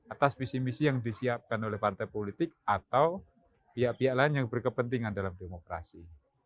atas visi misi yang disiapkan oleh partai politik atau pihak pihak lain yang berkepentingan dalam demokrasi